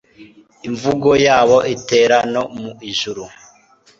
imvugo yabo itera no mu ijuru